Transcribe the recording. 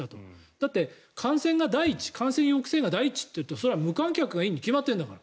だって感染抑制が第一だとそれは無観客がいいに決まってるんだから。